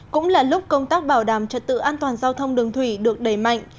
cũng là lúc công tác bảo đảm trật tự an toàn giao thông đường thủy được đẩy mạnh